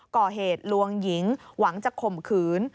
ก่อเหตุลวงหญิงหวังจะข่มขืน